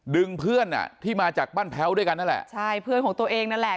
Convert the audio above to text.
เพื่อนอ่ะที่มาจากบ้านแพ้วด้วยกันนั่นแหละใช่เพื่อนของตัวเองนั่นแหละ